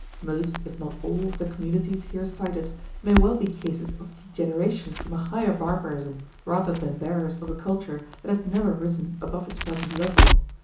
Most, if not all, of the communities here cited may well be cases of degeneration from a higher barbarism, rather than bearers of a culture that has never risen above its present level.